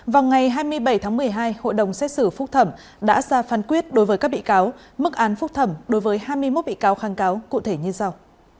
vào ngày hai mươi bảy tháng một mươi hai hội đồng xét xử phúc thẩm đã ra phán quyết đối với các bị cáo mức án phúc thẩm đối với hai mươi một bị cáo kháng cáo cụ thể như sau